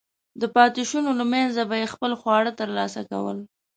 د پاتېشونو له منځه به یې خپل خواړه ترلاسه کول.